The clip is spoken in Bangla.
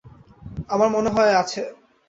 আমার মনে হয় আছে।